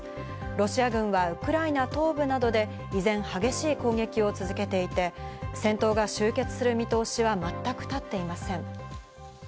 ロシア軍はウクライナ東部などで依然、激しい攻撃を続けていて、戦闘が終結する見通しは全く立っていません。